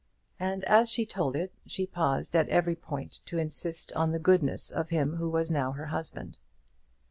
And as she told it, she paused at every point to insist on the goodness of him who was now her husband.